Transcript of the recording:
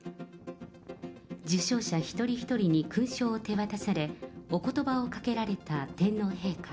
受章者一人一人に勲章を手渡され、おことばをかけられた天皇陛下。